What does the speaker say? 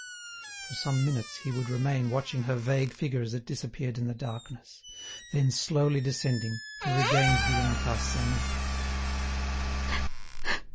For some minutes he would remain watching her vague figure as it disappeared in the darkness, then, slowly descending, he regained the Impasse Saint Mittre.